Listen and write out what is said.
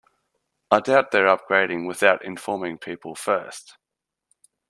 I doubt they're upgrading without informing people first.